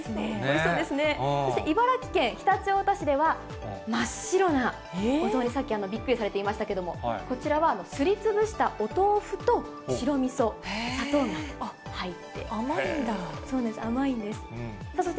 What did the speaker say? そして茨城県常陸太田市では真っ白なお雑煮、さっきびっくりされていましたけれども、こちらはすりつぶしたお豆腐と白みそ、砂糖が入って。